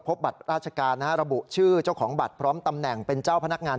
บัตรราชการนะฮะระบุชื่อเจ้าของบัตรพร้อมตำแหน่งเป็นเจ้าพนักงาน